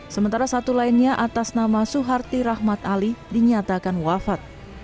sementara satu lainnya atas nama suharti rahmat ali dinyatakan wafat